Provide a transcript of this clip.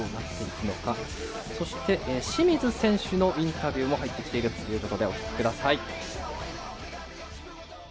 そして清水選手のインタビューも入ってきているということでお聞きください。